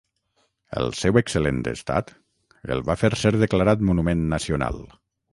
El seu excel·lent estat el va fer ser declarat monument nacional.